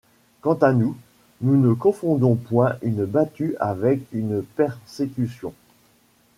Quant à nous, nous ne confondons point une battue avec une persécution.